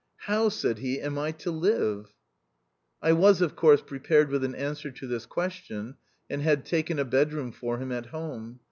"How," said he, "am I to live?" I was, of course, prepared with an answer to this question, and had taken a bedroom for him at home.